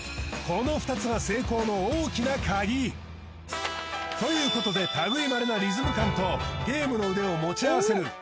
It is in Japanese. この２つが成功の大きなカギということで類いまれなリズム感とゲームの腕を持ちあわせる